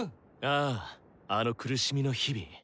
あぁあの苦しみの日々。